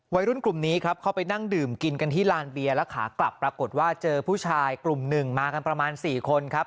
วัยรุ่นกลุ่มนี้ครับเข้าไปนั่งดื่มกินกันที่ลานเบียร์แล้วขากลับปรากฏว่าเจอผู้ชายกลุ่มหนึ่งมากันประมาณ๔คนครับ